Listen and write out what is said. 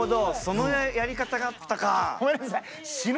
そのやり方があったか！